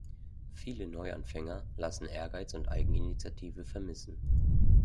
Viele Neuanfänger lassen Ehrgeiz und Eigeninitiative vermissen.